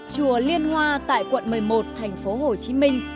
chùa liên hoa tại quận một mươi một thành phố hồ chí minh